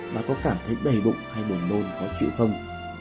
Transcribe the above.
bạn có cảm thấy bầy bụng hay buồn nôn khó chịu không